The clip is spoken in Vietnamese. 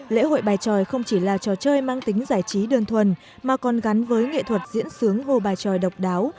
lễ hội bài tròi không chỉ là trò chơi mang tính giải trí đơn thuần mà còn gắn với nghệ thuật diễn xướng hồ bài tròi độc đáo